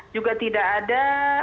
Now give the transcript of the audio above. juga tidak ada